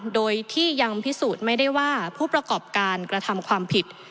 โดยที่ยังพิสูจน์ไม่ได้ว่าผู้ประกอบการกระทำความผิด